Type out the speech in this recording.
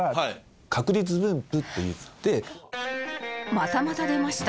またまた出ました